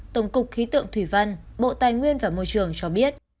tổng cục khí tượng thủy văn bộ tài nguyên và môi trường cho biết